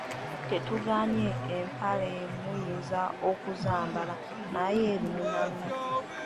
Tetugaanye empale muyinza okuzambala naye lumu na lumu.